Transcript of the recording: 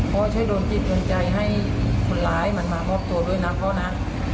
พ่อช่วยดนตร์จิตดนใจให้คนหลายมันมาอบตัวด้วยนะพ่อนะ